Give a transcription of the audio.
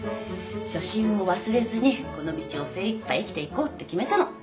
初心を忘れずにこの道を精いっぱい生きていこうって決めたの。